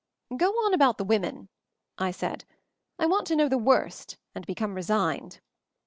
"Go on about the women," I said. "I want to know the worst and become re signed."